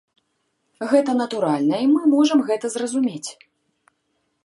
Гэта натуральна, і мы можам гэта зразумець.